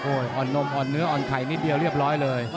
อ่อนนมอ่อนเนื้ออ่อนไข่นิดเดียวเรียบร้อยเลย